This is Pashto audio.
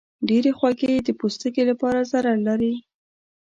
ډېرې خوږې د پوستکي لپاره ضرر لري.